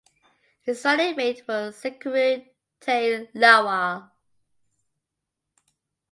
His running mate was Sikiru Tae Lawal.